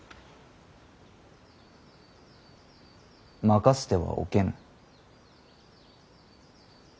任せてはおけぬ。